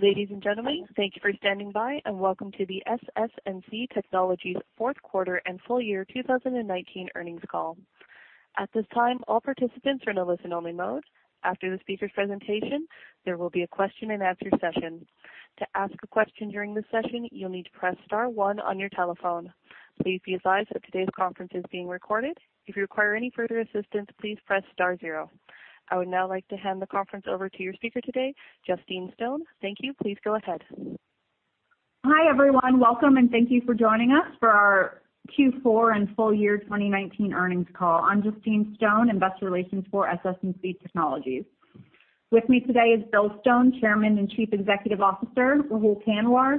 Ladies and gentlemen, thank you for standing by. Welcome to the SS&C Technologies fourth quarter and full year 2019 earnings call. At this time, all participants are in a listen-only mode. After the speaker's presentation, there will be a question-and-answer session. To ask a question during the session, you'll need to press star one on your telephone. Please be advised that today's conference is being recorded. If you require any further assistance, please press star zero. I would now like to hand the conference over to your speaker today, Justine Stone. Thank you. Please go ahead. Hi, everyone. Welcome, and thank you for joining us for our Q4 and full year 2019 earnings call. I'm Justine Stone, investor relations for SS&C Technologies. With me today is Bill Stone, Chairman and Chief Executive Officer; Rahul Kanwar,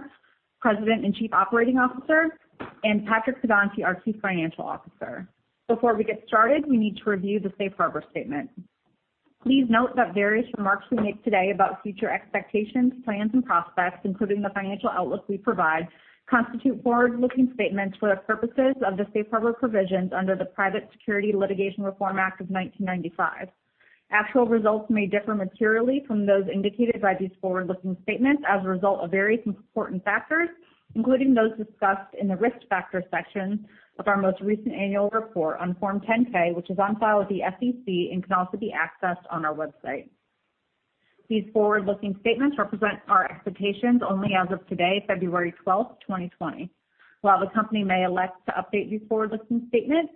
President and Chief Operating Officer; and Patrick Pedonti, our Chief Financial Officer. Before we get started, we need to review the safe harbor statement. Please note that various remarks we make today about future expectations, plans, and prospects, including the financial outlook we provide, constitute forward-looking statements for the purposes of the safe harbor provisions under the Private Securities Litigation Reform Act of 1995. Actual results may differ materially from those indicated by these forward-looking statements as a result of various important factors, including those discussed in the risk factor section of our most recent annual report on Form 10-K, which is on file with the SEC and can also be accessed on our website. These forward-looking statements represent our expectations only as of today, February 12th, 2020. While the company may elect to update these forward-looking statements,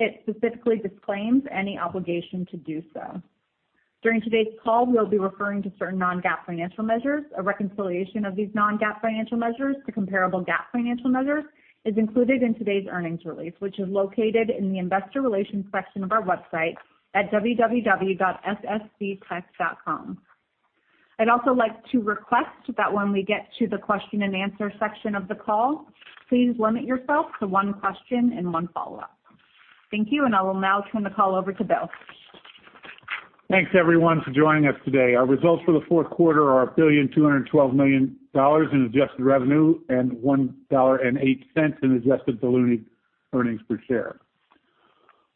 it specifically disclaims any obligation to do so. During today's call, we'll be referring to certain non-GAAP financial measures. A reconciliation of these non-GAAP financial measures to comparable GAAP financial measures is included in today's earnings release, which is located in the investor relations section of our website at www.ssctech.com. I'd also like to request that when we get to the question and answer section of the call, please limit yourself to one question and one follow-up. Thank you. I will now turn the call over to Bill. Thanks, everyone, for joining us today. Our results for the fourth quarter are $1.212 billion in adjusted revenue and $1.08 in adjusted diluted earnings per share.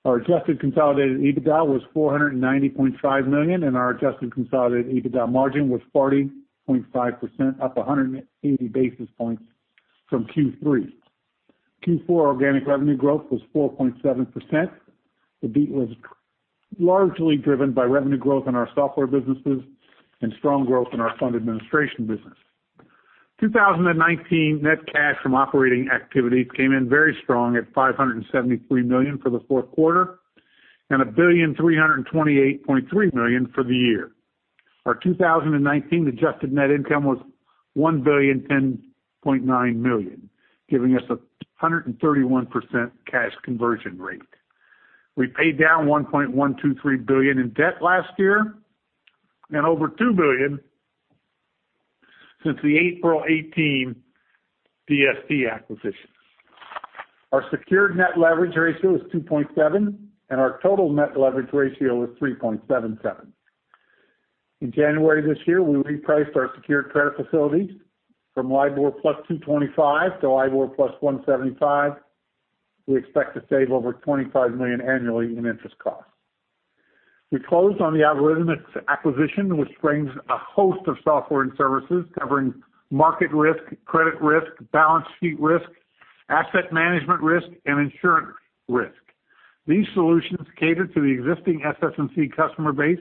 Our adjusted consolidated EBITDA was $490.5 million, and our adjusted consolidated EBITDA margin was 40.5%, up 180 basis points from Q3. Q4 organic revenue growth was 4.7%. The beat was largely driven by revenue growth in our software businesses and strong growth in our fund administration business. 2019 net cash from operating activities came in very strong at $573 million for the fourth quarter and $1.3283 billion for the year. Our 2019 adjusted net income was $1.0109 billion, giving us a 131% cash conversion rate. We paid down $1.123 billion in debt last year and over $2 billion since the April 2018 DST acquisition. Our secured net leverage ratio is 2.7, and our total net leverage ratio is 3.77. In January this year, we repriced our secured credit facilities from LIBOR plus 225 to LIBOR plus 175. We expect to save over $25 million annually in interest costs. We closed on the Algorithmics acquisition, which brings a host of software and services covering market risk, credit risk, balance sheet risk, asset management risk, and insurance risk. These solutions cater to the existing SS&C customer base,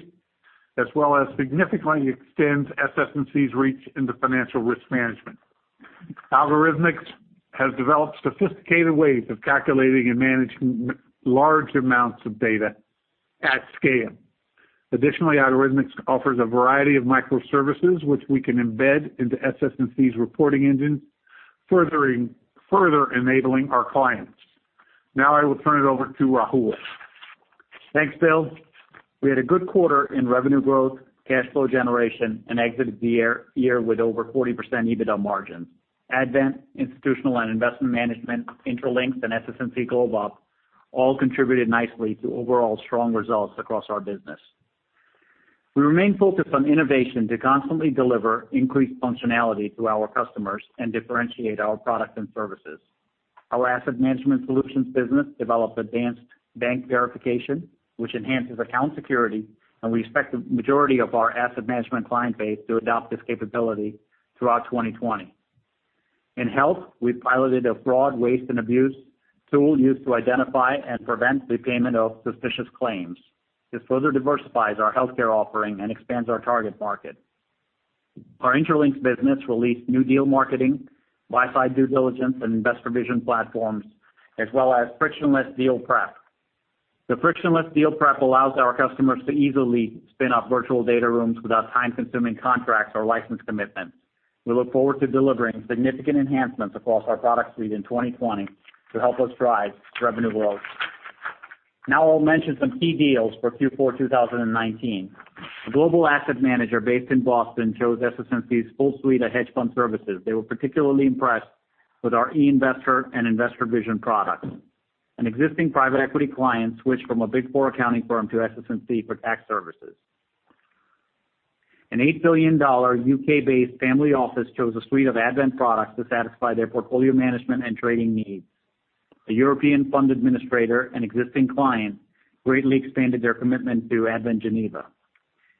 as well as significantly extend SS&C's reach into financial risk management. Algorithmics has developed sophisticated ways of calculating and managing large amounts of data at scale. Additionally, Algorithmics offers a variety of microservices which we can embed into SS&C's reporting engine, further enabling our clients. Now I will turn it over to Rahul. Thanks, Bill. We had a good quarter in revenue growth, cash flow generation, and exited the year with over 40% EBITDA margin. We remain focused on innovation to constantly deliver increased functionality to our customers and differentiate our products and services. Our asset management solutions business developed advanced bank verification, which enhances account security, and we expect the majority of our asset management client base to adopt this capability throughout 2020. In health, we piloted a fraud, waste, and abuse tool used to identify and prevent the payment of suspicious claims. This further diversifies our healthcare offering and expands our target market. Our Intralinks business released new deal marketing, buy-side due diligence, and InvestorVision platforms, as well as frictionless deal prep. The frictionless deal prep allows our customers to easily spin up virtual data rooms without time-consuming contracts or license commitments. We look forward to delivering significant enhancements across our product suite in 2020 to help us drive revenue growth. Now I'll mention some key deals for Q4 2019. A global asset manager based in Boston chose SS&C's full suite of hedge fund services. They were particularly impressed with our e-Investor and InvestorVision products. An existing private equity client switched from a Big 4 accounting firm to SS&C for tax services. An $8 billion U.K.-based family office chose a suite of Advent products to satisfy their portfolio management and trading needs. A European fund administrator and existing client greatly expanded their commitment to Advent Geneva.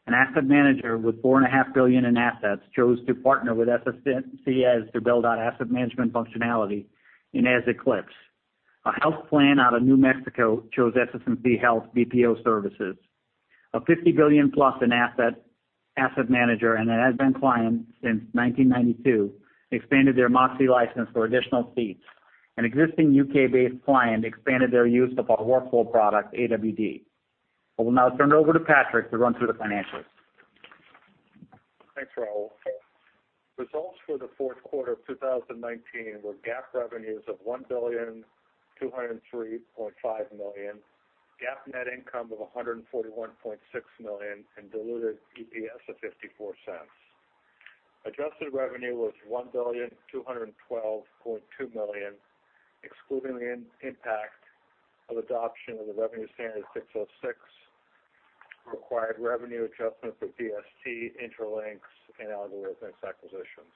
An asset manager with $4.5 billion in assets chose to partner with SS&C as their build-out asset management functionality in Eze Eclipse. A health plan out of New Mexico chose SS&C Health BPO services. A +$50 billion asset manager and an Advent client since 1992 expanded their Moxy license for additional seats. An existing U.K.-based client expanded their use of our workflow product, AWD. I will now turn it over to Patrick to run through the financials. Thanks, Rahul. Results for the fourth quarter of 2019 were GAAP revenues of $1,203.5 million, GAAP net income of $141.6 million, and diluted EPS of $0.54. Adjusted revenue was $1,212.2 million, excluding the impact of adoption of the revenue standard ASC 606, required revenue adjustments for DST, Intralinks, and Algorithmics acquisitions.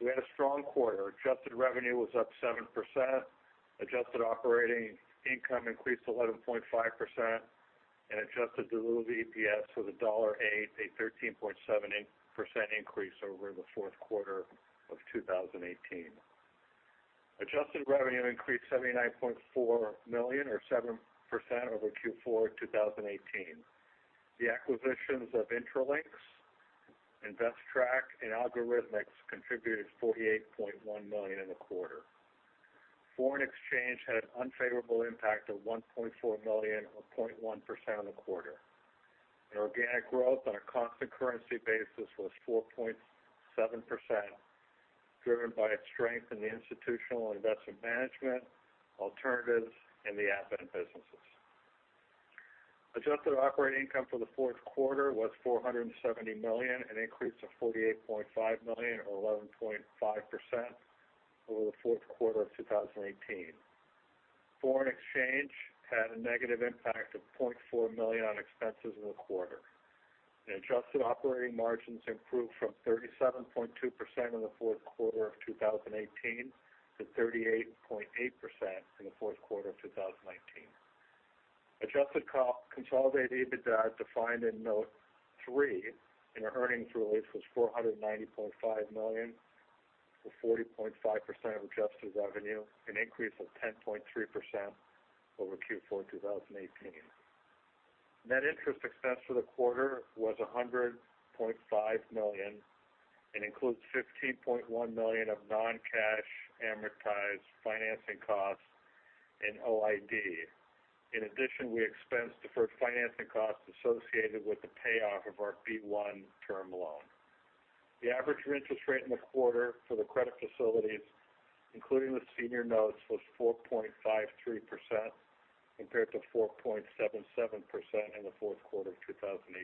We had a strong quarter. Adjusted revenue was up 7%, adjusted operating income increased 11.5%, and adjusted diluted EPS was $1.08, a 13.7% increase over the fourth quarter of 2018. Adjusted revenue increased $79.4 million or 7% over Q4 2018. The acquisitions of Intralinks and Investrack and Algorithmics contributed $48.1 million in the quarter. Foreign exchange had an unfavorable impact of $1.4 million or 0.1% on the quarter. Organic growth on a constant currency basis was 4.7%, driven by its strength in the institutional investment management, alternatives, and the Advent businesses. Adjusted operating income for the fourth quarter was $470 million, an increase of $48.5 million or 11.5% over the fourth quarter of 2018. Foreign exchange had a negative impact of $0.4 million on expenses in the quarter. Adjusted operating margins improved from 37.2% in the fourth quarter of 2018 to 38.8% in the fourth quarter of 2019. Adjusted consolidated EBITDA, defined in note three in our earnings release, was $490.5 million, or 40.5% of adjusted revenue, an increase of 10.3% over Q4 2018. Net interest expense for the quarter was $100.5 million and includes $15.1 million of non-cash amortized financing costs and OID. In addition, we expensed deferred financing costs associated with the payoff of our B-1 Term Loan. The average interest rate in the quarter for the credit facilities, including the senior notes, was 4.53%, compared to 4.77% in the fourth quarter of 2018.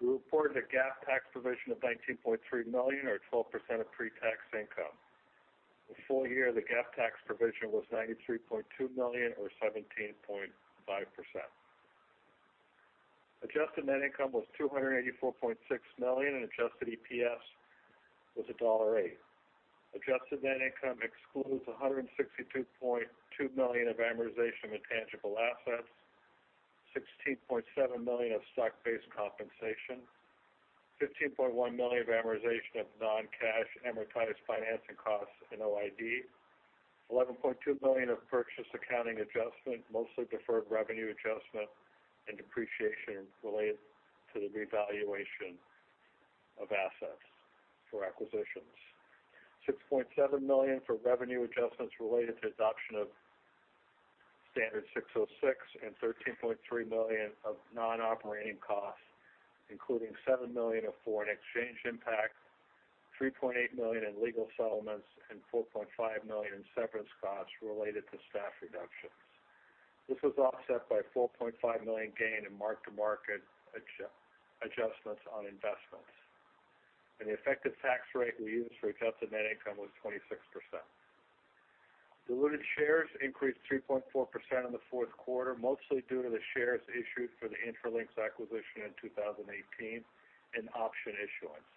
We reported a GAAP tax provision of $19.3 million or 12% of pre-tax income. For the full year, the GAAP tax provision was $93.2 million or 17.5%. Adjusted net income was $284.6 million, and adjusted EPS was $1.08. Adjusted net income excludes $162.2 million of amortization of intangible assets, $16.7 million of stock-based compensation, $15.1 million of amortization of non-cash amortized financing costs and OID, $11.2 million of purchase accounting adjustment, mostly deferred revenue adjustment and depreciation related to the revaluation of assets for acquisitions. $6.7 million for revenue adjustments related to adoption of ASC 606, and $13.3 million of non-operating costs, including $7 million of foreign exchange impact, $3.8 million in legal settlements, and $4.5 million in severance costs related to staff reductions. This was offset by a $4.5 million gain in mark-to-market adjustments on investments. The effective tax rate we use for adjusted net income was 26%. Diluted shares increased 3.4% in the fourth quarter, mostly due to the shares issued for the Intralinks acquisition in 2018 and option issuance.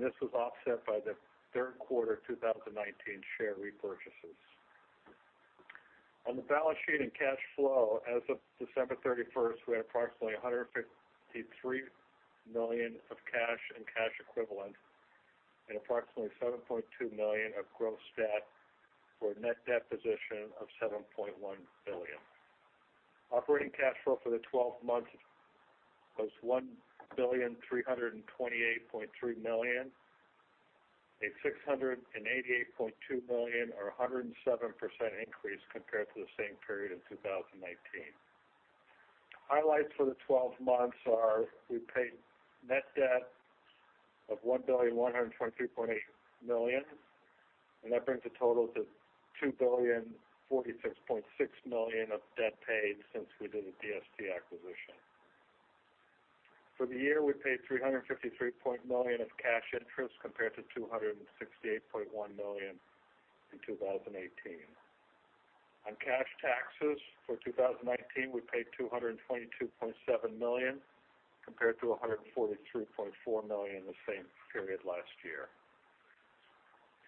This was offset by the third quarter 2019 share repurchases. On the balance sheet and cash flow, as of December 31st, we had approximately $153 million of cash and cash equivalents and approximately $7.2 million of gross debt for a net debt position of $7.1 billion. Operating cash flow for the 12 months was $1,328.3 million, a $688.2 million or 107% increase compared to the same period in 2019. Highlights for the 12 months are we paid net debt of $1,123.8 million, and that brings the total to $2,046.6 million of debt paid since we did the DST acquisition. For the year, we paid $353.9 million of cash interest compared to $268.1 million in 2018. On cash taxes for 2019, we paid $222.7 million, compared to $143.4 million in the same period last year.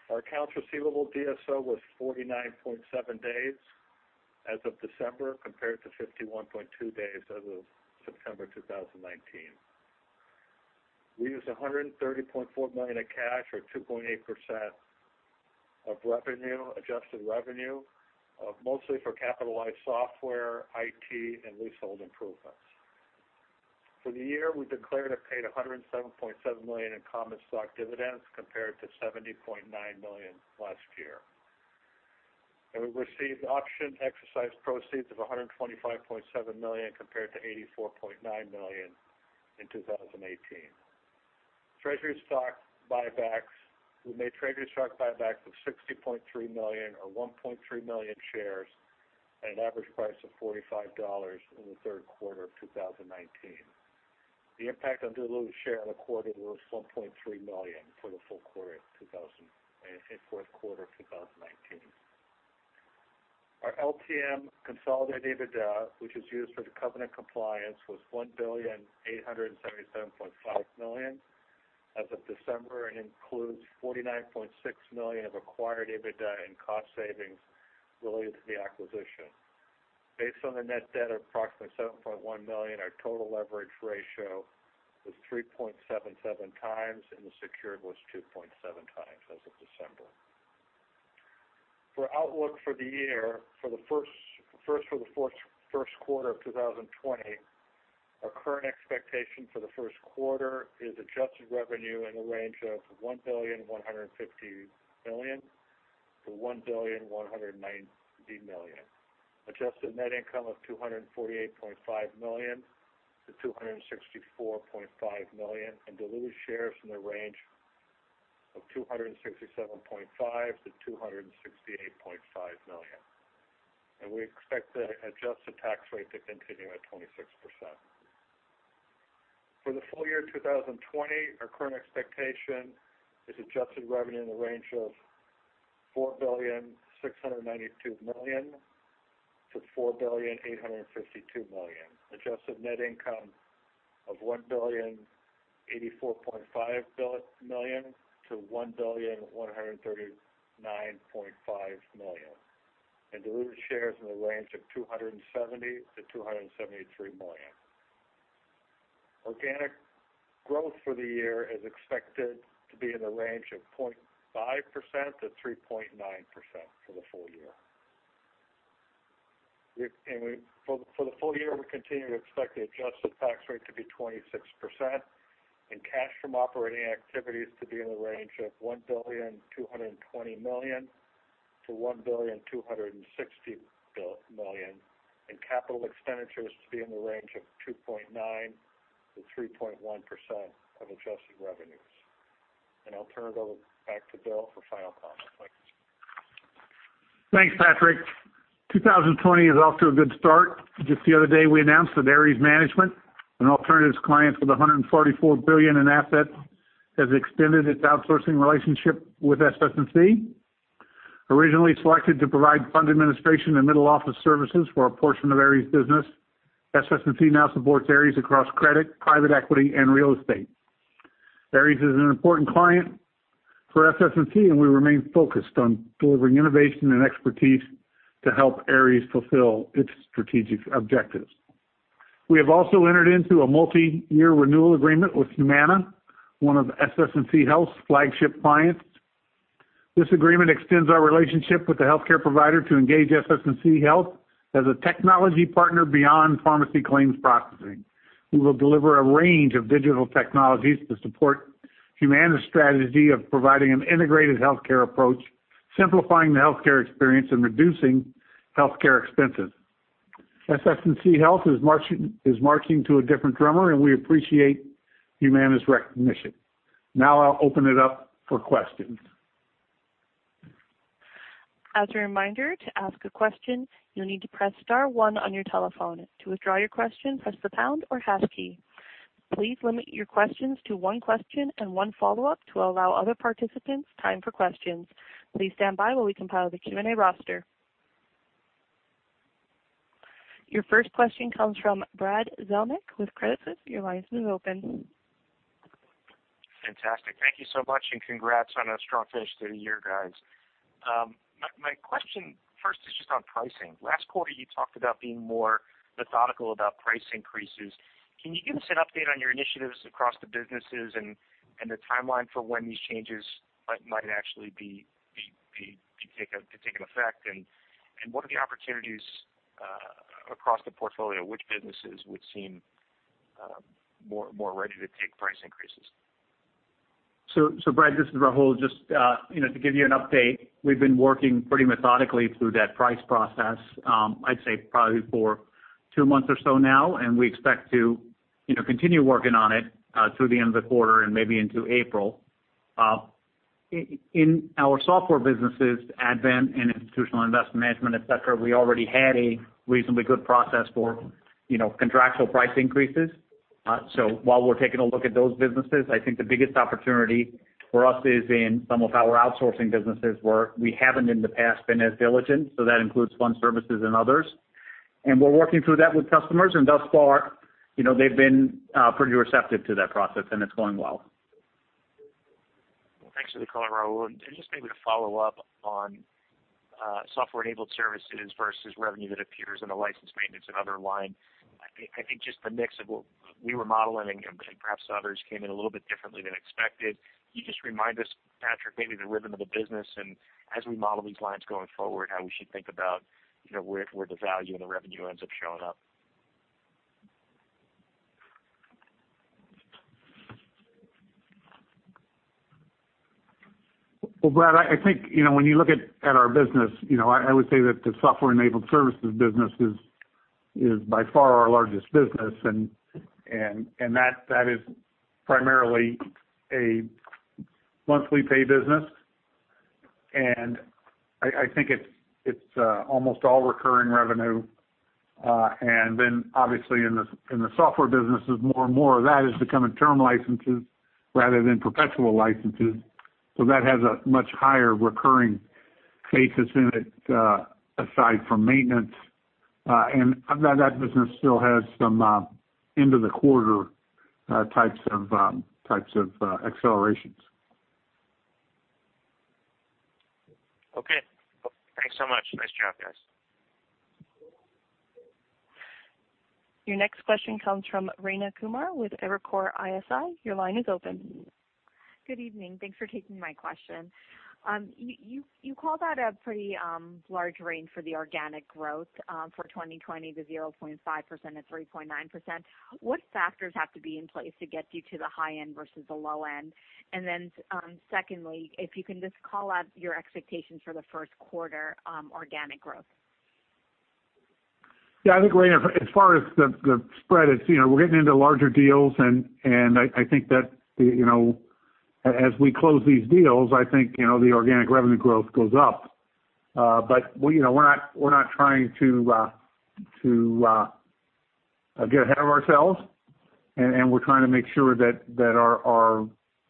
Our accounts receivable DSO was 49.7 days as of December, compared to 51.2 days as of September 2019. We used $130.4 million of cash or 2.8% of adjusted revenue, mostly for capitalized software, IT, and leasehold improvements. For the year, we declared and paid $107.7 million in common stock dividends, compared to $70.9 million last year. We received option exercise proceeds of $125.7 million compared to $84.9 million in 2018. Treasury stock buybacks. We made treasury stock buybacks of $60.3 million or 1.3 million shares at an average price of $45 in the third quarter of 2019. The impact on diluted share on the quarter was $1.3 million for the fourth quarter of 2019. Our LTM consolidated EBITDA, which is used for the covenant compliance, was $1,877,500,000 as of December and includes $49.6 million of acquired EBITDA and cost savings related to the acquisition. Based on the net debt of approximately $7.1 million, our total leverage ratio was 3.77x, the secured was 2.7x as of December. For outlook for the year, first for the first quarter of 2020, our current expectation for the first quarter is adjusted revenue in the range of $1.15 billion-$1.19 billion, adjusted net income of $248.5 million-$264.5 million, and diluted shares in the range of 267.5 million-268.5 million. We expect the adjusted tax rate to continue at 26%. For the full year 2020, our current expectation is adjusted revenue in the range of $4,692 million-$4,852 million. Adjusted net income of $1,084.5 million-$1,139.5 million, diluted shares in the range of 270-273 million. Organic growth for the year is expected to be in the range of 0.5%-3.9% for the full year. For the full year, we continue to expect the adjusted tax rate to be 26%, cash from operating activities to be in the range of $1.22 billion-$1.26 billion, and capital expenditures to be in the range of 2.9%-3.1% of adjusted revenues. I'll turn it over back to Bill for final comments. Thanks. Thanks, Patrick. 2020 is off to a good start. Just the other day, we announced that Ares Management, an alternatives client with $144 billion in assets, has extended its outsourcing relationship with SS&C. Originally selected to provide fund administration and middle-office services for a portion of Ares business, SS&C now supports Ares across credit, private equity and real estate. Ares is an important client for SS&C, and we remain focused on delivering innovation and expertise to help Ares fulfill its strategic objectives. We have also entered into a multi-year renewal agreement with Humana, one of SS&C Health's flagship clients. This agreement extends our relationship with the healthcare provider to engage SS&C Health as a technology partner beyond pharmacy claims processing. We will deliver a range of digital technologies to support Humana's strategy of providing an integrated healthcare approach, simplifying the healthcare experience and reducing healthcare expenses. SS&C Health is marching to a different drummer, and we appreciate Humana's recognition. Now I'll open it up for questions. As a reminder, to ask a question, you'll need to press star one on your telephone. To withdraw your question, press the pound or hash key. Please limit your questions to one question and one follow-up to allow other participants time for questions. Please stand by while we compile the Q&A roster. Your first question comes from Brad Zelnick with Credit Suisse. Your line is now open. Fantastic. Thank you so much. Congrats on a strong finish to the year, guys. My question first is just on pricing. Last quarter, you talked about being more methodical about price increases. Can you give us an update on your initiatives across the businesses and the timeline for when these changes might actually begin to take an effect? What are the opportunities across the portfolio? Which businesses would seem more ready to take price increases? Brad, this is Rahul. Just to give you an update, we've been working pretty methodically through that price process, I'd say probably for two months or so now, and we expect to continue working on it through the end of the quarter and maybe into April. In our software businesses, Advent and Institutional Investment Management, et cetera, we already had a reasonably good process for contractual price increases. While we're taking a look at those businesses, I think the biggest opportunity for us is in some of our outsourcing businesses where we haven't in the past been as diligent. That includes fund services and others. We're working through that with customers, and thus far, they've been pretty receptive to that process, and it's going well. Well, thanks for the color, Rahul. Just maybe to follow up on software-enabled services versus revenue that appears in the license maintenance and other line. I think just the mix of what we were modeling and perhaps others came in a little bit differently than expected. Can you just remind us, Patrick, maybe the rhythm of the business and as we model these lines going forward, how we should think about where the value and the revenue ends up showing up? Well, Brad, I think, when you look at our business, I would say that the software-enabled services business is by far our largest business, and that is primarily a monthly pay business. I think it's almost all recurring revenue. Obviously, in the software businesses, more and more of that is becoming term licenses rather than perpetual licenses. That has a much higher recurring basis in it, aside from maintenance. That business still has some end-of-the-quarter types of accelerations. Okay. Thanks so much. Nice job, guys. Your next question comes from Rayna Kumar with Evercore ISI. Your line is open. Good evening. Thanks for taking my question. You called out a pretty large range for the organic growth for 2020, to 0.5% and 3.9%. What factors have to be in place to get you to the high end versus the low end? Secondly, if you can just call out your expectations for the first quarter on organic growth. Yeah, I think, Rayna, as far as the spread, we're getting into larger deals, and I think that as we close these deals, I think, the organic revenue growth goes up. We're not trying to get ahead of ourselves, and we're trying to make sure that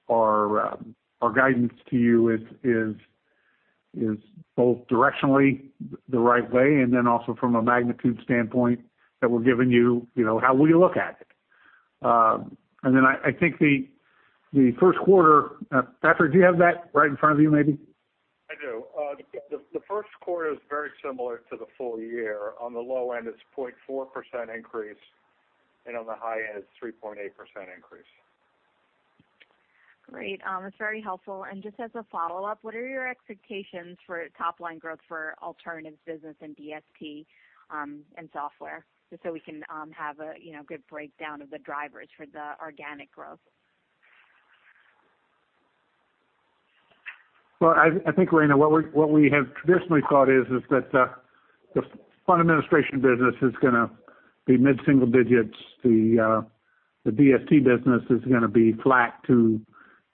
our guidance to you is both directionally the right way, and then also from a magnitude standpoint that we're giving you, how will you look at it. I think the first quarter, Patrick, do you have that right in front of you, maybe? I do. The first quarter is very similar to the full year. On the low end, it's 0.4% increase, and on the high end, it's 3.8% increase. Great. That's very helpful. Just as a follow-up, what are your expectations for top-line growth for alternatives business and DST, and software, just so we can have a good breakdown of the drivers for the organic growth? Well, I think, Rayna, what we have traditionally thought is that the fund administration business is going to be mid-single digits. The DST business is going to be flat to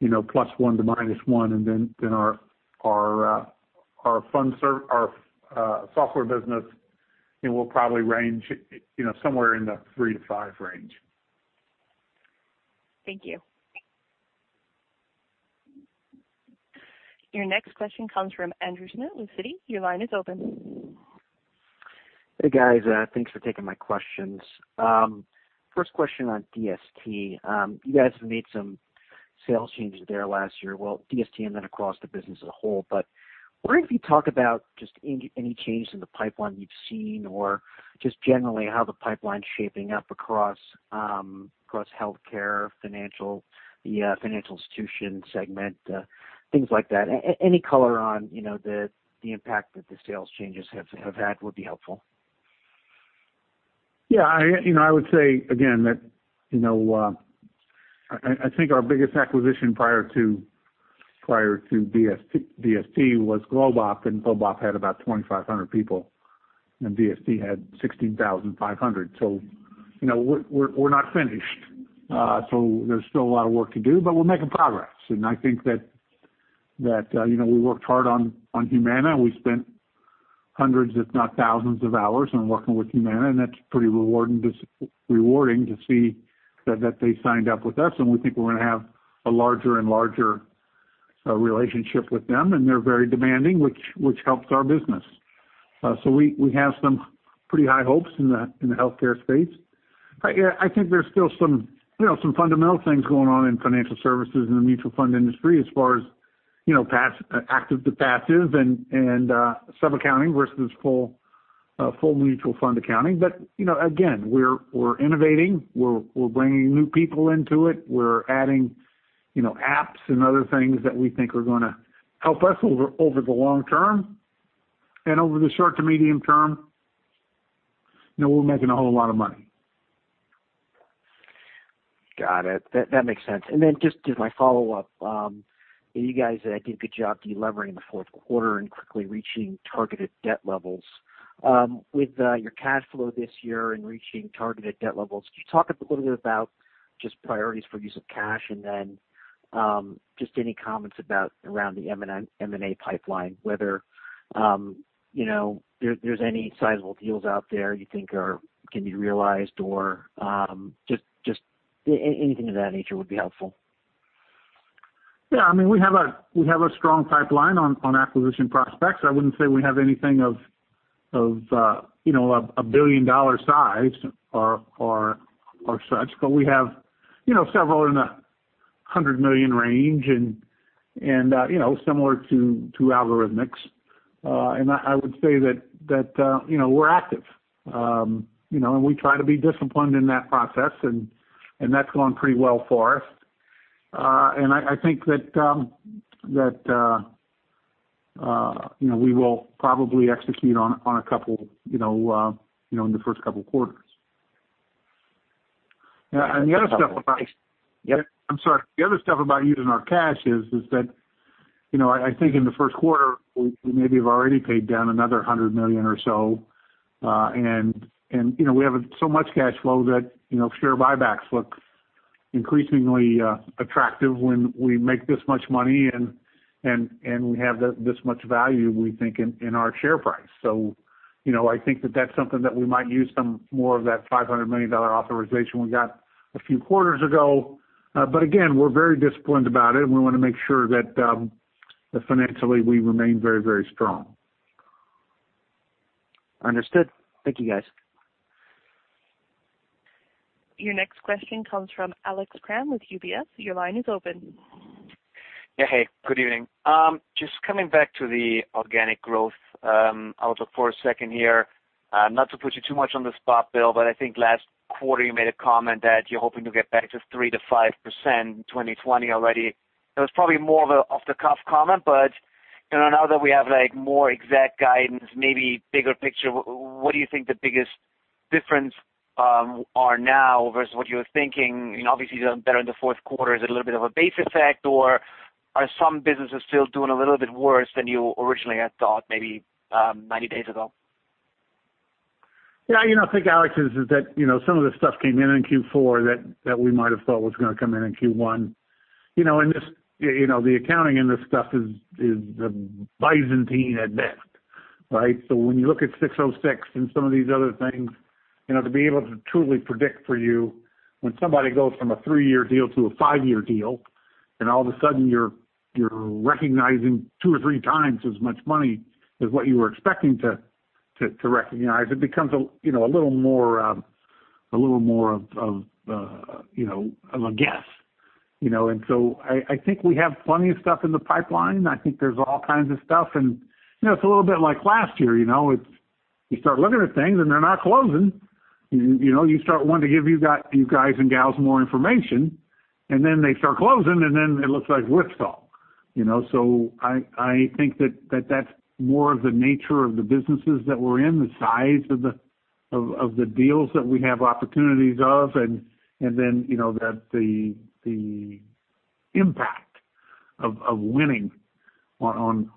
+1 to -1, and then our software business will probably range somewhere in the three to five range. Thank you. Your next question comes from Andrew Schmidt with Citi. Your line is open. Hey, guys. Thanks for taking my questions. First question on DST. You guys have made some sales changes there last year. Well, DST then across the business as a whole. I'm wondering if you talk about just any change in the pipeline you've seen or just generally how the pipeline's shaping up across healthcare, financial, the financial institution segment, things like that. Any color on the impact that the sales changes have had would be helpful. I would say, again, that I think our biggest acquisition prior to DST was GlobeOp. GlobeOp had about 2,500 people. DST had 16,500. We're not finished. There's still a lot of work to do. We're making progress. I think that we worked hard on Humana. We spent hundreds, if not thousands, of hours on working with Humana. That's pretty rewarding to see that they signed up with us. We think we're going to have a larger and larger relationship with them. They're very demanding, which helps our business. We have some pretty high hopes in the healthcare space. I think there's still some fundamental things going on in financial services and the mutual fund industry as far as active to passive and sub-accounting versus full mutual fund accounting. Again, we're innovating. We're bringing new people into it. We're adding apps and other things that we think are going to help us over the long term. Over the short to medium term, we're making a whole lot of money. Got it. That makes sense. Just as my follow-up, you guys did a good job delevering the fourth quarter and quickly reaching targeted debt levels. With your cash flow this year and reaching targeted debt levels, could you talk a little bit about just priorities for use of cash and then just any comments around the M&A pipeline, whether there's any sizable deals out there you think can be realized or just anything of that nature would be helpful. Yeah, we have a strong pipeline on acquisition prospects. I wouldn't say we have anything of a billion-dollar size or such, but we have several in the $100 million range and similar to Algorithmics. I would say that we're active. We try to be disciplined in that process, and that's going pretty well for us. I think that we will probably execute on a couple in the first couple of quarters. Yep. I'm sorry. The other stuff about using our cash is that I think in the first quarter, we maybe have already paid down another $100 million or so. We have so much cash flow that share buybacks look increasingly attractive when we make this much money and we have this much value, we think, in our share price. I think that that's something that we might use some more of that $500 million authorization we got a few quarters ago. Again, we're very disciplined about it, and we want to make sure that financially we remain very strong. Understood. Thank you, guys. Your next question comes from Alex Kramm with UBS. Your line is open. Yeah. Hey, good evening. Just coming back to the organic growth outlook for a second here. Not to put you too much on the spot, Bill, but I think last quarter you made a comment that you're hoping to get back to 3%-5% in 2020 already. It was probably more of an off-the-cuff comment, but now that we have more exact guidance, maybe bigger picture, what do you think the biggest difference are now versus what you were thinking? Obviously, you're done better in the fourth quarter. Is it a little bit of a base effect, or are some businesses still doing a little bit worse than you originally had thought, maybe 90 days ago? Yeah, I think, Alex, is that some of the stuff came in in Q4 that we might have thought was going to come in in Q1. The accounting in this stuff is Byzantine at best, right? When you look at 606 and some of these other things, to be able to truly predict for you when somebody goes from a three-year deal to a five-year deal, all of a sudden, you're recognizing two or three times as much money as what you were expecting to recognize, it becomes a little more of a guess. I think we have plenty of stuff in the pipeline. I think there's all kinds of stuff, and it's a little bit like last year. You start looking at things, and they're not closing. You start wanting to give you guys and gals more information, and then they start closing, and then it looks like whipsaw. I think that that's more of the nature of the businesses that we're in, the size of the deals that we have opportunities of, and then that the impact of winning on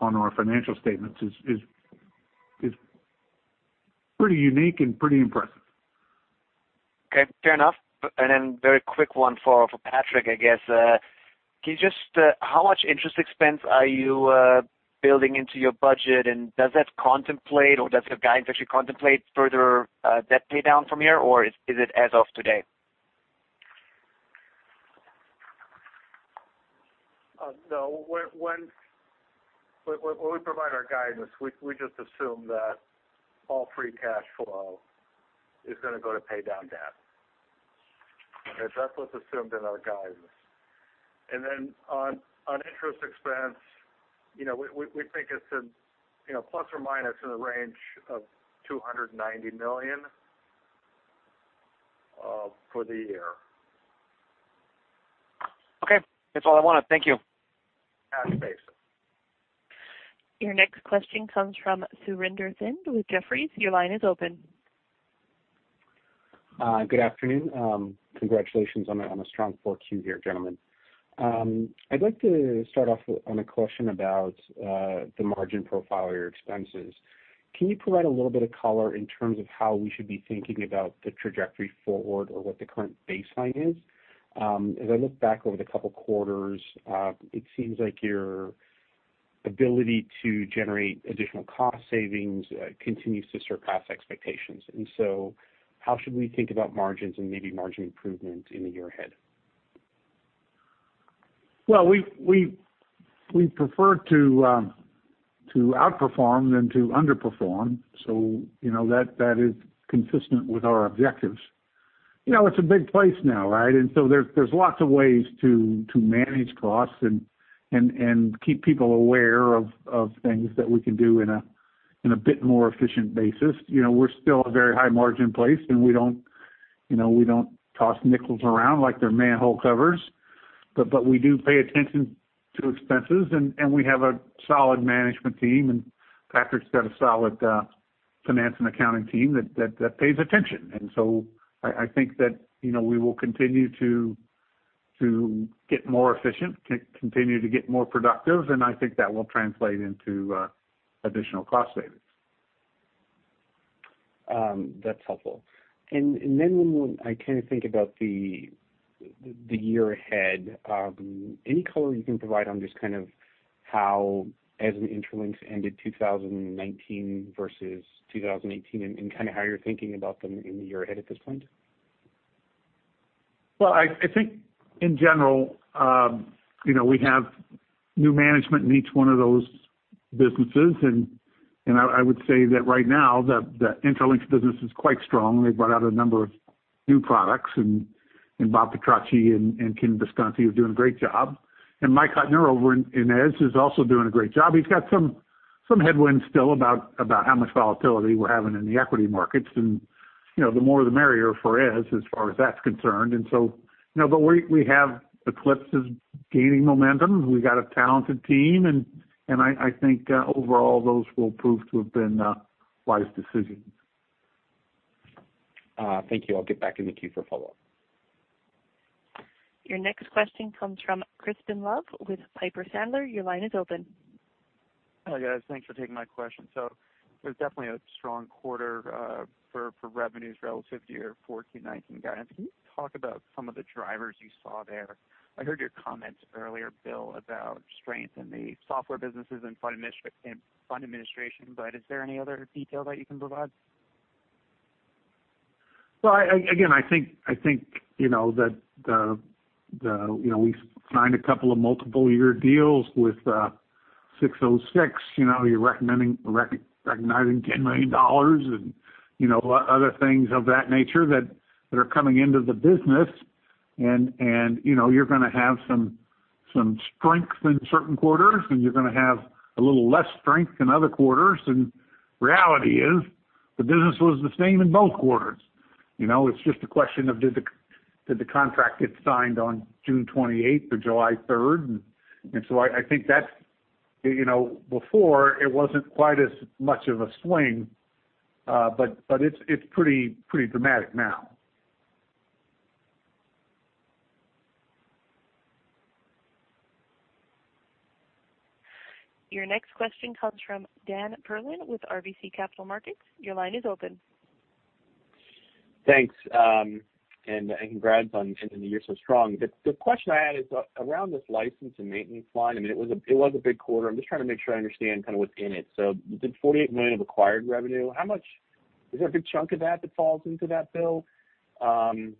our financial statements is pretty unique and pretty impressive. Okay. Fair enough. Very quick one for Patrick, I guess. Can you just, how much interest expense are you building into your budget, and does that contemplate, or does the guidance actually contemplate further debt paydown from here, or is it as of today? No. When we provide our guidance, we just assume that all free cash flow is going to go to pay down debt. Okay? That's what's assumed in our guidance. On interest expense, we think it's in, plus or minus, in the range of $290 million for the year. Okay. That's all I wanted. Thank you. Cash base. Your next question comes from Surinder Thind with Jefferies. Your line is open. Good afternoon. Congratulations on a strong Q4 here, gentlemen. I'd like to start off on a question about the margin profile of your expenses. Can you provide a little bit of color in terms of how we should be thinking about the trajectory forward or what the current baseline is? As I look back over the couple quarters, it seems like your ability to generate additional cost savings continues to surpass expectations. How should we think about margins and maybe margin improvement in the year ahead? We prefer to outperform than to underperform, so that is consistent with our objectives. It's a big place now, right? There's lots of ways to manage costs and keep people aware of things that we can do in a bit more efficient basis. We're still a very high-margin place, and we don't toss nickels around like they're manhole covers. We do pay attention to expenses, and we have a solid management team, and Patrick's got a solid finance and accounting team that pays attention. I think that we will continue to get more efficient, continue to get more productive, and I think that will translate into additional cost savings. That's helpful. When I think about the year ahead, any color you can provide on just how Eze and Intralinks ended 2019 versus 2018, and how you're thinking about them in the year ahead at this point? I think in general, we have new management in each one of those businesses, and I would say that right now, the Intralinks business is quite strong. They brought out a number of new products, and Bob Petrocchi and Ken Visconti are doing a great job. Mike Hutner over in Eze is also doing a great job. He's got some headwinds still about how much volatility we're having in the equity markets, and the more the merrier for Eze as far as that's concerned. We have Eclipse is gaining momentum. We got a talented team, and I think overall those will prove to have been wise decisions. Thank you. I'll get back in the queue for follow-up. Your next question comes from Crispin Love with Piper Sandler. Your line is open. Hi, guys. Thanks for taking my question. It was definitely a strong quarter for revenues relative to your 14, 19 guidance. Can you talk about some of the drivers you saw there? I heard your comments earlier, Bill, about strength in the software businesses and fund administration. Is there any other detail that you can provide? Well, again, I think that we signed a couple of multiple-year deals with 606. You're recognizing $10 million, other things of that nature that are coming into the business. You're going to have some strength in certain quarters, and you're going to have a little less strength in other quarters. Reality is, the business was the same in both quarters. It's just a question of did the contract get signed on June 28th or July 3rd. I think that before, it wasn't quite as much of a swing, but it's pretty dramatic now. Your next question comes from Dan Perlin with RBC Capital Markets. Your line is open. Thanks. Congrats on ending the year so strong. The question I had is around this license and maintenance line. It was a big quarter. I'm just trying to make sure I understand what's in it. You did $48 million of acquired revenue. Is there a big chunk of that that falls into that, Bill? That's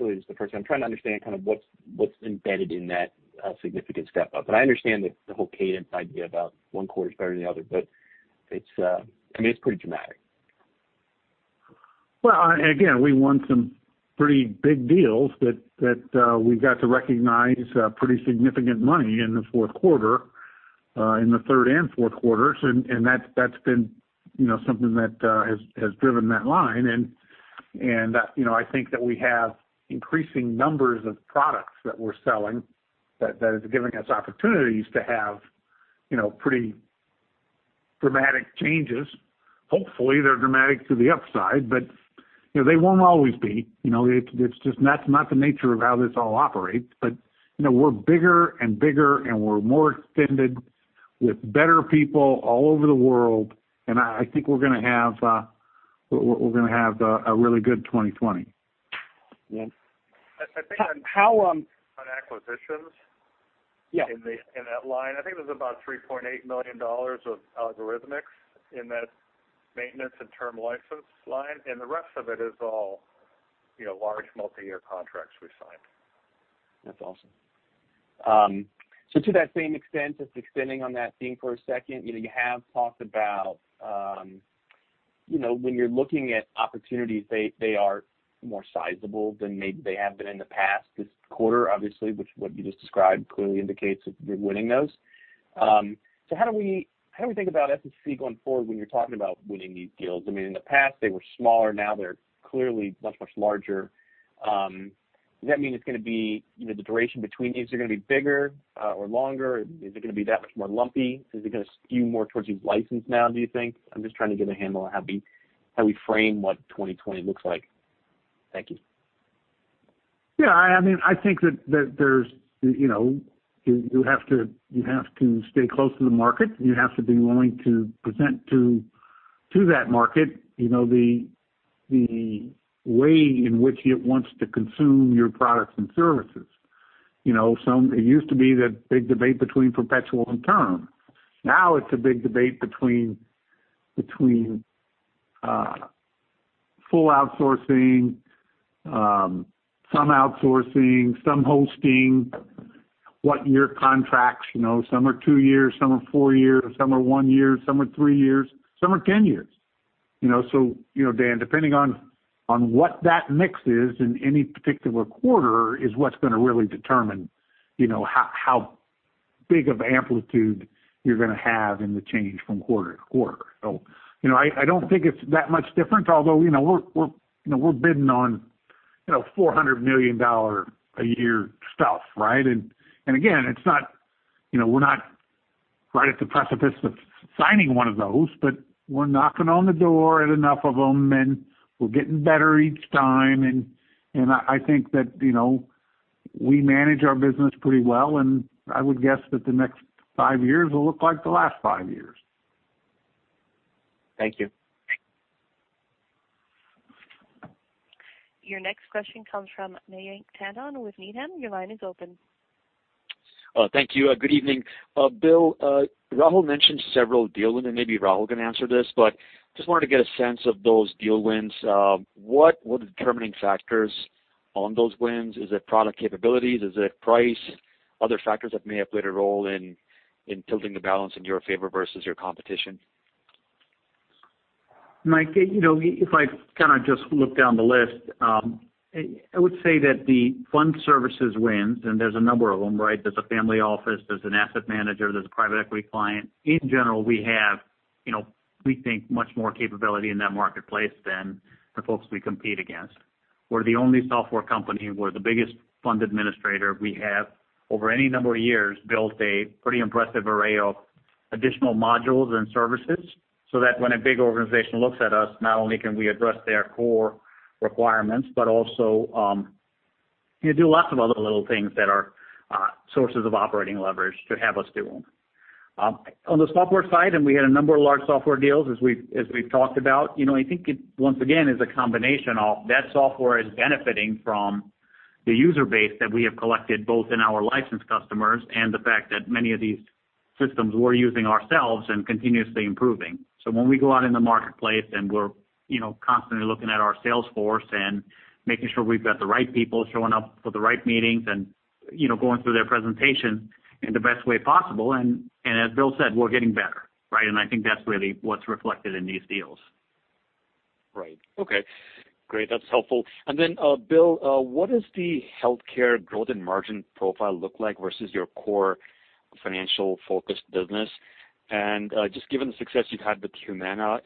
really just the first thing. I'm trying to understand what's embedded in that significant step-up. I understand the whole cadence idea about one quarter's better than the other, but it's pretty dramatic. Well, again, we won some pretty big deals that we got to recognize pretty significant money in the fourth quarter, in the third and fourth quarters. That's been something that has driven that line. I think that we have increasing numbers of products that we're selling, that is giving us opportunities to have pretty dramatic changes. Hopefully, they're dramatic to the upside, but they won't always be. That's not the nature of how this all operates. We're bigger and bigger, and we're more extended with better people all over the world, and I think we're going to have a really good 2020. Yeah. I think on acquisitions. Yeah in that line, I think there's about $3.8 million of Algorithmics in that maintenance and term license line, and the rest of it is all large multi-year contracts we've signed. That's awesome. To that same extent, just extending on that theme for a second. You have talked about when you're looking at opportunities, they are more sizable than maybe they have been in the past this quarter, obviously, which what you just described clearly indicates that you're winning those. How do we think about SS&C going forward when you're talking about winning these deals? In the past, they were smaller; now they're clearly much, much larger. Does that mean it's going to be the duration between these are going to be bigger or longer? Is it going to be that much more lumpy? Is it going to skew more towards these license now, do you think? I'm just trying to get a handle on how we frame what 2020 looks like. Thank you. Yeah. I think that you have to stay close to the market. You have to be willing to present to that market the way in which it wants to consume your products and services. It used to be the big debate between perpetual and term. Now it's a big debate between full outsourcing, some outsourcing, some hosting, what year contracts. Some are two years, some are four years, some are one year, some are three years, some are 10 years. Dan, depending on what that mix is in any particular quarter, is what's going to really determine how big of amplitude you're going to have in the change from quarter to quarter. I don't think it's that much different, although we're bidding on $400 million a year stuff, right? Again, we're not right at the precipice of signing one of those, but we're knocking on the door at enough of them, and we're getting better each time. We manage our business pretty well, and I would guess that the next five years will look like the last five years. Thank you. Your next question comes from Mayank Tandon with Needham. Your line is open. Thank you. Good evening. Bill, Rahul mentioned several deal wins, and maybe Rahul can answer this, but just wanted to get a sense of those deal wins. What were the determining factors on those wins? Is it product capabilities? Is it price? Other factors that may have played a role in tilting the balance in your favor versus your competition? Mayank, if I just look down the list, I would say that the fund services wins, and there's a number of them, right? There's a family office, there's an asset manager, there's a private equity client. In general, we think much more capability in that marketplace than the folks we compete against. We're the only software company; we're the biggest fund administrator. We have, over any number of years, built a pretty impressive array of additional modules and services so that when a big organization looks at us, not only can we address their core requirements, but also do lots of other little things that are sources of operating leverage to have us do them. On the software side, we had a number of large software deals, as we've talked about. I think it, once again, is a combination of that software is benefiting from the user base that we have collected, both in our licensed customers and the fact that many of these systems we're using ourselves and continuously improving. When we go out in the marketplace, and we're constantly looking at our sales force and making sure we've got the right people showing up for the right meetings and going through their presentation in the best way possible, and as Bill said, we're getting better, right? I think that's really what's reflected in these deals. Right. Okay, great. That's helpful. Bill, what does the healthcare growth and margin profile look like versus your core financial-focused business? Just given the success you've had with Humana,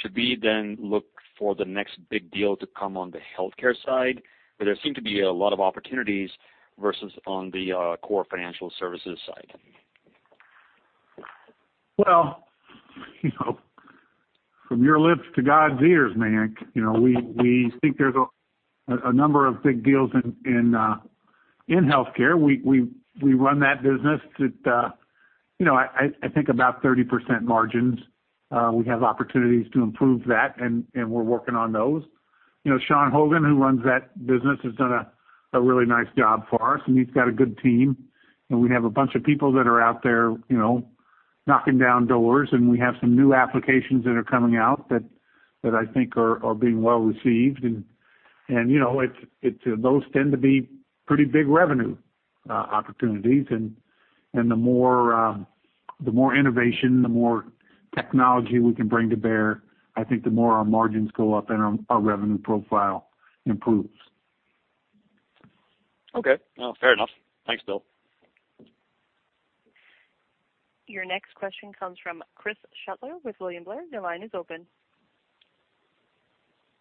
should we then look for the next big deal to come on the healthcare side, where there seem to be a lot of opportunities, versus on the core financial services side? Well, from your lips to God's ears, Mayank. We think there's a number of big deals in healthcare. We run that business at, I think about 30% margins. We have opportunities to improve that, and we're working on those. Sean Hogan, who runs that business, has done a really nice job for us, and he's got a good team. We have a bunch of people that are out there knocking down doors, and we have some new applications that are coming out that I think are being well-received. Those tend to be pretty big revenue opportunities. The more innovation, the more technology we can bring to bear, I think, the more our margins go up, and our revenue profile improves. Okay. Well, fair enough. Thanks, Bill. Your next question comes from Chris Shutler with William Blair. Your line is open.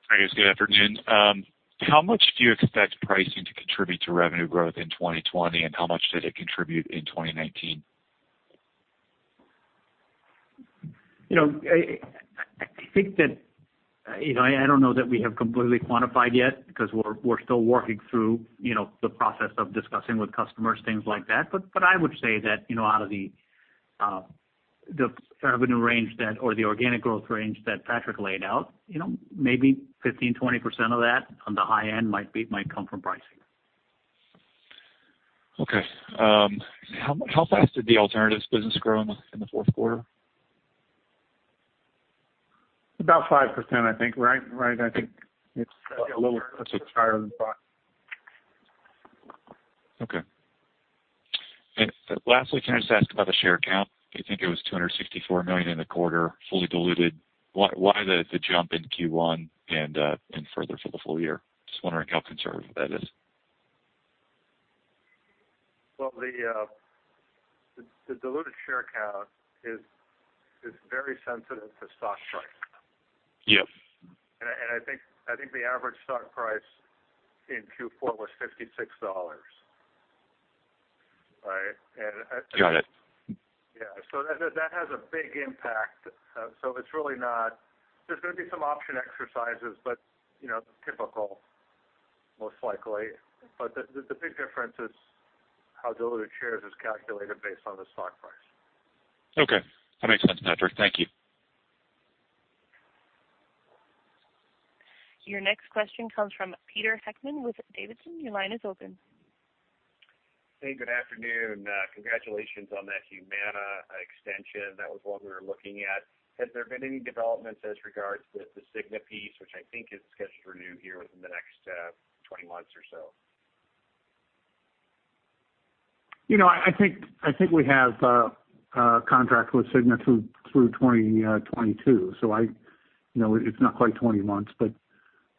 Hi, guys. Good afternoon. How much do you expect pricing to contribute to revenue growth in 2020, and how much did it contribute in 2019? I don't know that we have completely quantified yet because we're still working through the process of discussing with customers, things like that. I would say that, out of the revenue range or the organic growth range that Patrick laid out, maybe 15%-20% of that on the high end might come from pricing. Okay. How fast did the alternatives business grow in the fourth quarter? About 5%, I think, right? I think it's a little higher than that. Okay. Lastly, can I just ask about the share count? I think it was 264 million in the quarter, fully diluted. Why the jump in Q1 and further for the full year? Just wondering how conservative that is. Well, the diluted share count is very sensitive to stock price. Yep. I think the average stock price in Q4 was $56, right? Got it. Yeah. That has a big impact. There's going to be some option exercises, but typical, most likely. The big difference is how diluted shares is calculated based on the stock price. Okay. That makes sense, Patrick. Thank you. Your next question comes from Peter Heckmann with Davidson. Your line is open. Hey, good afternoon. Congratulations on that Humana extension. That was one we were looking at. Has there been any developments as regards to the Cigna piece, which I think is scheduled to renew here within the next 20 months or so? I think we have a contract with Cigna through 2022, so it's not quite 20 months.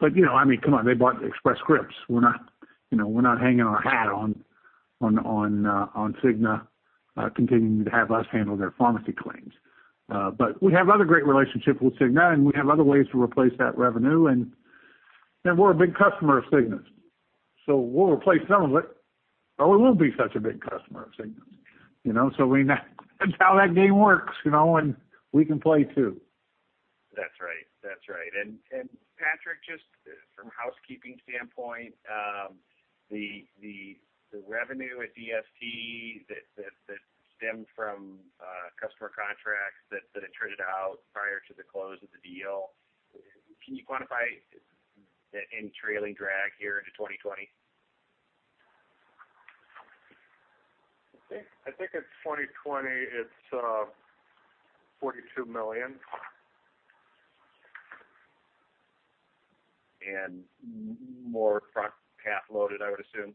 Come on, they bought Express Scripts. We're not hanging our hat on Cigna continuing to have us handle their pharmacy claims. We have other great relationships with Cigna, and we have other ways to replace that revenue. We're a big customer of Cigna's, so we'll replace some of it, but we will be such a big customer of Cigna's. That's how that game works, and we can play, too. Right. Patrick, just from a housekeeping standpoint, the revenue at DST that stemmed from customer contracts that had traded out prior to the close of the deal, can you quantify it in trailing drag here into 2020? I think in 2020, it's $42 million. More front-half loaded, I would assume.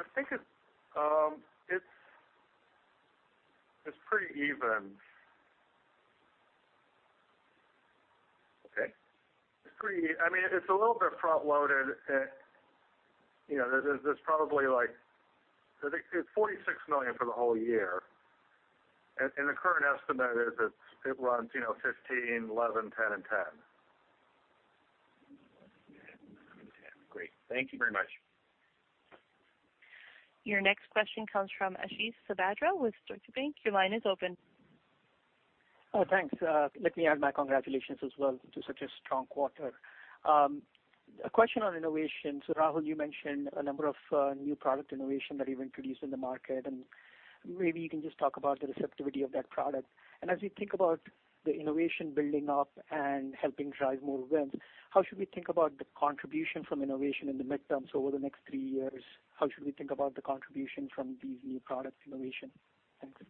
I think it's pretty even. Okay. It's a little bit front-loaded. It's $46 million for the whole year. The current estimate is it runs $15, $11, $10, and $10. Great. Thank you very much. Your next question comes from Ashish Sabadra with Deutsche Bank. Your line is open. Oh, thanks. Let me add my congratulations as well to such a strong quarter. A question on innovation. Rahul, you mentioned a number of new product innovation that you've introduced in the market, and maybe you can just talk about the receptivity of that product. As you think about the innovation building up and helping drive more wins, how should we think about the contribution from innovation in the midterms over the next three years? How should we think about the contribution from these new product innovations? Thanks.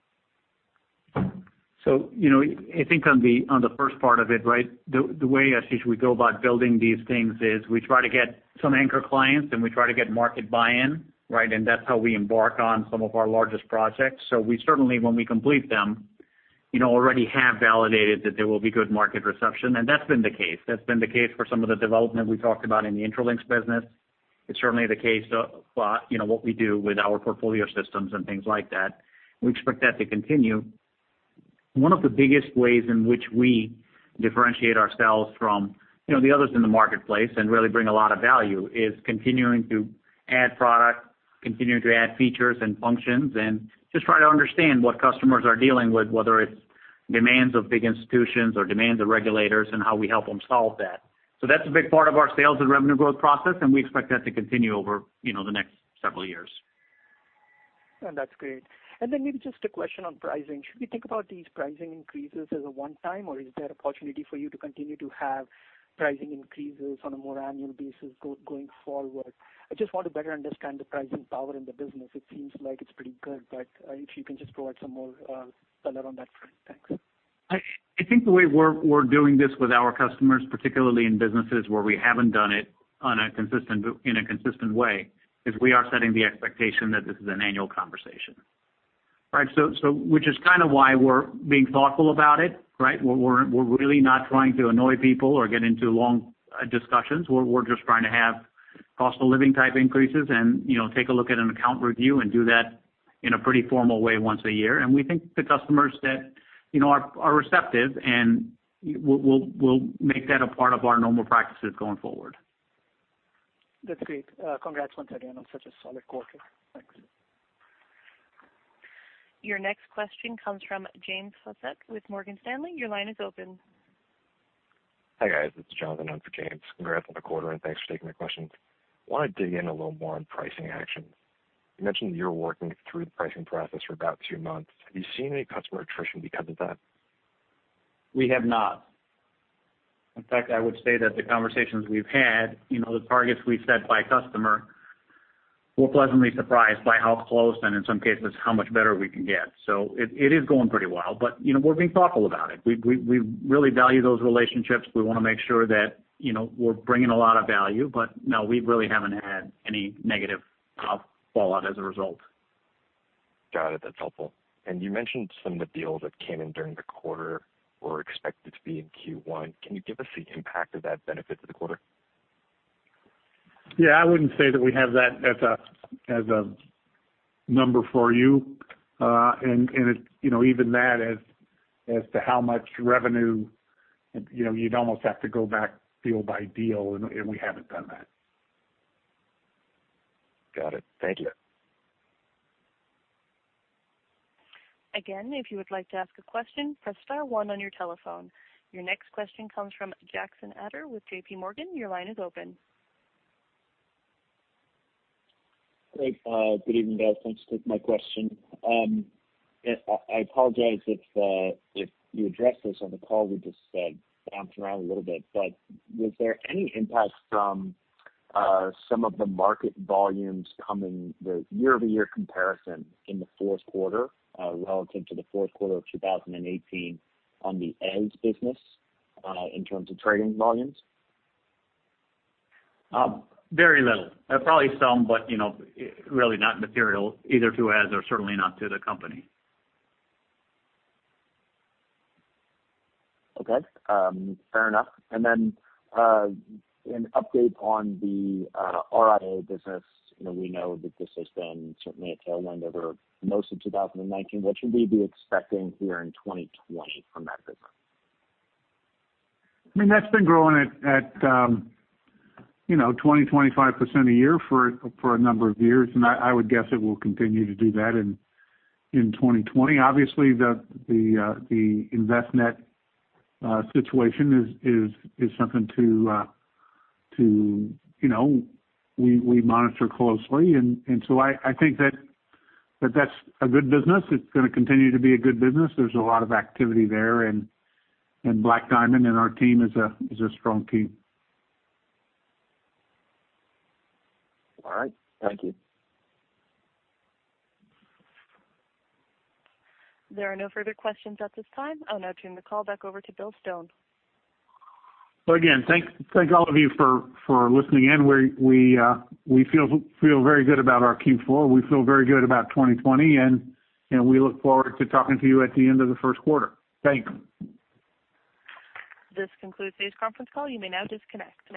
I think, on the first part of it. The way, Ashish, we go about building these things is we try to get some anchor clients, and we try to get market buy-in. That's how we embark on some of our largest projects. We certainly, when we complete them, already have validated that there will be good market reception, and that's been the case. That's been the case for some of the development we talked about in the Intralinks business. It's certainly the case for what we do with our portfolio systems and things like that. We expect that to continue. One of the biggest ways in which we differentiate ourselves from the others in the marketplace and really bring a lot of value is continuing to add product, continuing to add features and functions, and just try to understand what customers are dealing with, whether it's demands of big institutions or demands of regulators, and how we help them solve that. That's a big part of our sales and revenue growth process, and we expect that to continue over the next several years. That's great. Maybe just a question on pricing. Should we think about these pricing increases as a one-time, or is there opportunity for you to continue to have pricing increases on a more annual basis going forward? I just want to better understand the pricing power in the business. It seems like it's pretty good, but if you can just provide some more color on that front. Thanks. I think the way we're doing this with our customers, particularly in businesses where we haven't done it in a consistent way, is we are setting the expectation that this is an annual conversation. Which is kind of why we're being thoughtful about it. We're really not trying to annoy people or get into long discussions. We're just trying to have cost-of-living-type increases and take a look at an account review and do that in a pretty formal way once a year. We think the customers are receptive, and we'll make that a part of our normal practices going forward. That's great. Congrats once again on such a solid quarter. Thanks. Your next question comes from James Faucette with Morgan Stanley. Your line is open. Hi, guys. It's Jonathan on for James. Congrats on the quarter, and thanks for taking my questions. I want to dig in a little more on pricing action. You mentioned you were working through the pricing process for about two months. Have you seen any customer attrition because of that? We have not. In fact, I would say that the conversations we've had, the targets we've set by customer, we're pleasantly surprised by how close, and in some cases, how much better we can get. It is going pretty well, but we're being thoughtful about it. We really value those relationships. We want to make sure that we're bringing a lot of value. No, we really haven't had any negative fallout as a result. Got it. That's helpful. You mentioned some of the deals that came in during the quarter or expected to be in Q1. Can you give us the impact of that benefit to the quarter? Yeah, I wouldn't say that we have that as a number for you. Even that, as to how much revenue, you'd almost have to go back deal by deal, and we haven't done that. Got it. Thank you. Again, if you would like to ask a question, press star one on your telephone. Your next question comes from Jackson Ader with JPMorgan. Your line is open. Great. Good evening, guys. Thanks. Take my question. I apologize if you addressed this on the call. We just bounced around a little bit. Was there any impact from some of the market volumes coming the year-over-year comparison in the fourth quarter relative to the fourth quarter of 2018 on the Eze business in terms of trading volumes? Very little. Probably some, but really not material either to us or certainly not to the company. Okay. Fair enough. An update on the RIA business. We know that this has been certainly a tailwind over most of 2019. What should we be expecting here in 2020 from that business? That's been growing at 20%, 25% a year for a number of years, and I would guess it will continue to do that in 2020. Obviously, the Envestnet situation is something we monitor closely. I think that's a good business. It's going to continue to be a good business. There's a lot of activity there. Black Diamond and our team is a strong team. All right. Thank you. There are no further questions at this time. I'll now turn the call back over to Bill Stone. Again, thanks all of you for listening in. We feel very good about our Q4. We feel very good about 2020, and we look forward to talking to you at the end of the first quarter. Thanks. This concludes today's conference call. You may now disconnect.